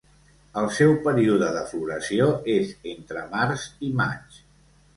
El seu període de floració és entre març i maig.